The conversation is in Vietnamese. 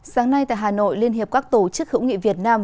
sáng nay tại hà nội liên hiệp các tổ chức hữu nghị việt nam